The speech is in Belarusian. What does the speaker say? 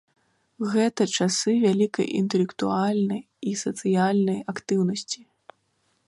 Гэта часы вялікай інтэлектуальнай і сацыяльнай актыўнасці.